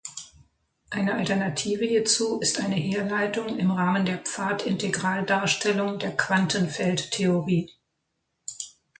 Eine Alternative hierzu ist eine Herleitung im Rahmen der Pfadintegral-Darstellung der Quantenfeldtheorie.